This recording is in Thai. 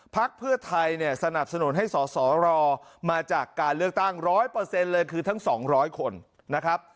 พักเพื่อไทยเนี่ยสนับสนุนให้สอสอรอมาจากการเลือกตั้ง๑๐๐เลยคือทั้ง๒๐๐คนนะครับ